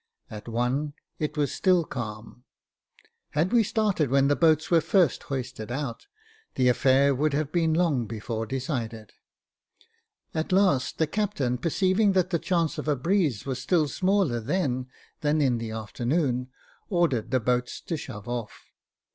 At one, it was still calm. Had we started when the boats were first hoisted out, the affair would have been long before decided. At last, the captain perceiving that the chance of a breeze was still smaller then than in the forenoon, ordered the boats to shove off.